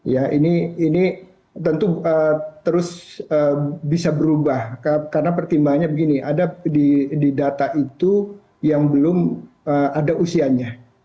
ya ini tentu terus bisa berubah karena pertimbangannya begini ada di data itu yang belum ada usianya